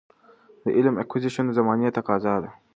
د علم Acquisition د زمانې تقاضا ده.